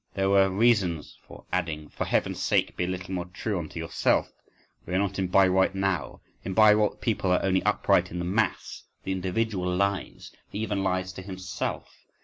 There were reasons for adding; "For heaven's sake, be a little more true unto yourself! We are not in Bayreuth now. In Bayreuth people are only upright in the mass; the individual lies, he even lies to himself.